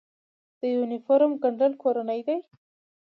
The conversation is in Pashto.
د یونیفورم ګنډل کورني دي؟